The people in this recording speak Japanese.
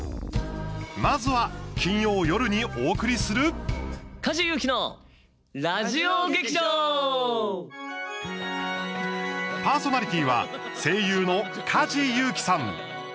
まずは金曜夜にお送りするパーソナリティーは声優の梶裕貴さん。